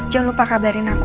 jangan lupa kabarin aku